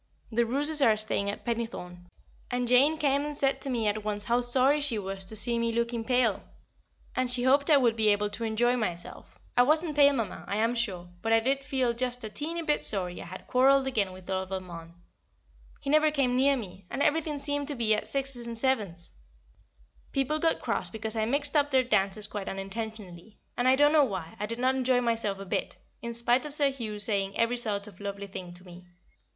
The Rooses are staying at Pennythorn, and Jane came and said to me at once how sorry she was to see me looking pale, and she hoped I would be able to enjoy myself I wasn't pale, Mamma, I am sure, but I did feel just a teeny bit sorry I had quarrelled again with Lord Valmond. He never came near me, and everything seemed to be at sixes and sevens; people got cross because I mixed up their dances quite unintentionally, and, I don't know why, I did not enjoy myself a bit, in spite of Sir Hugh saying every sort of lovely thing to me.